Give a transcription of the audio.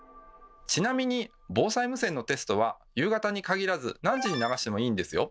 ちなみに防災無線のテストは夕方に限らず何時に流してもいいんですよ。